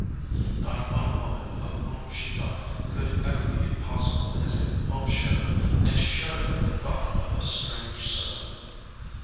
Not one woman of whom she thought could ever be possible as a home sharer, and she shuddered at the thought of a strange servant.